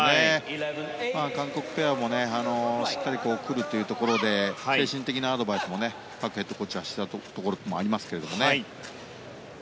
韓国ペアもしっかり来るというところで精神的なアドバイスもパクヘッドコーチもしたところだと思います。